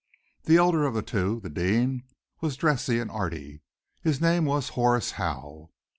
The elder of the two, the "dean," was dressy and art y; his name was Horace Howe.